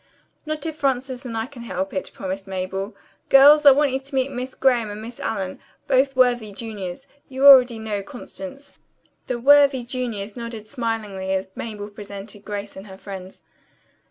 "Not if Frances and I can help it," promised Mabel. "Girls, I want you to meet Miss Graham and Miss Allen, both worthy juniors. You already know Constance." The "worthy juniors" nodded smilingly as Mabel presented Grace and her friends.